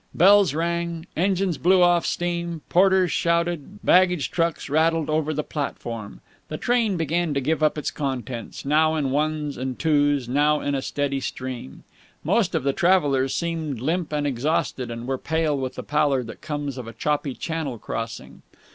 Bells rang, engines blew off steam, porters shouted, baggage trucks rattled over the platform. The train began to give up its contents, now in ones and twos, now in a steady stream. Most of the travellers seemed limp and exhausted, and were pale with the pallor that comes of a choppy Channel crossing.